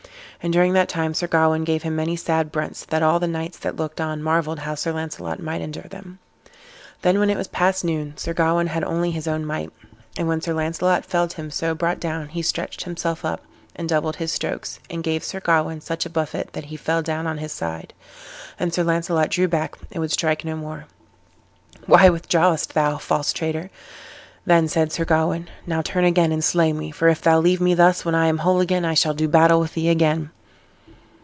And during that time Sir Gawain gave him many sad brunts, that all the knights that looked on marvelled how Sir Launcelot might endure them. Then, when it was past noon, Sir Gawain had only his own might; and when Sir Launcelot felt him so brought down he stretched himself up, and doubled his strokes, and gave Sir Gawain such a buffet that he fell down on his side; and Sir Launcelot drew back and would strike no more. "Why withdrawest thou, false traitor?" then said Sir Gawain; "now turn again and slay me, for if thou leave me thus when I am whole again, I shall do battle with thee again."